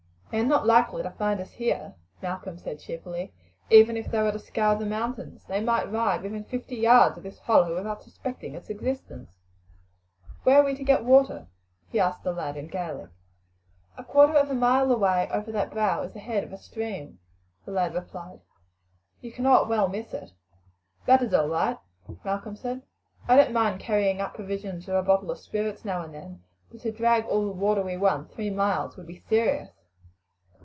"They are not likely to find us here," Malcolm said cheerfully, "even were they to scour the mountains. They might ride within fifty yards of this hollow without suspecting its existence. Where are we to get water?" he asked the lad in Gaelic. "A quarter of a mile away over that brow is the head of a stream," the lad replied. "You cannot well miss it." "That is all right," Malcolm said. "I don't mind carrying up provisions or a bottle of spirits now and then; but to drag all the water we want three miles would be serious."